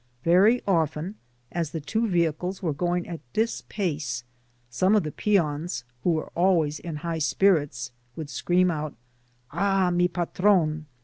Very often^ as the two vehicles Were going at this pace$ sotne of the peons, who Were always in high ^lit^, would scream out, " Ah mi patr6il